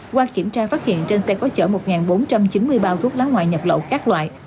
qua kiểm tra phát hiện trên xe có chở một bốn trăm chín mươi bao thuốc lá ngoại nhập lậu các loại